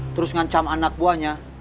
terus ngancam anak buahnya